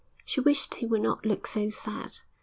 She wished he would not look so sad.